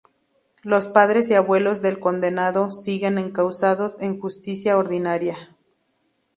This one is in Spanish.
Los padres y abuelos del condenado siguen encausados en justicia ordinaria.